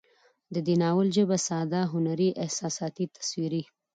د دې ناول ژبه ساده، هنري، احساساتي، تصويري